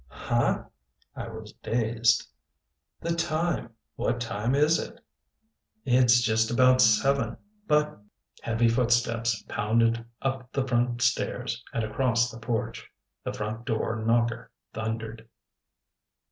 "Hah?" I was dazed. "The time? What time is it?" "It's just about seven. But " Heavy footsteps pounded up the front stairs and across the porch. The front door knocker thundered.